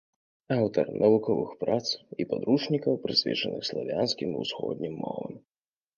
Аўтар навуковых прац і падручнікаў, прысвечаных славянскім і ўсходнім мовам.